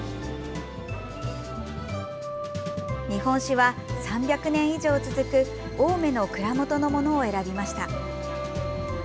日本酒は３００年以上続く青梅の蔵元のものを選びました。